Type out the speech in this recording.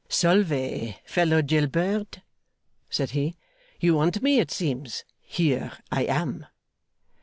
'Salve, fellow jail bird!' said he. 'You want me, it seems. Here I am!